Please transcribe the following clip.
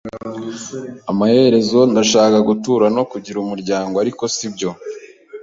Amaherezo ndashaka gutura no kugira umuryango, ariko sibyo.